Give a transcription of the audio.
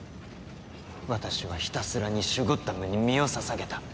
私はひたすらにシュゴッダムに身を捧げた。